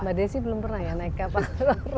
mbak desi belum pernah ya naik kapal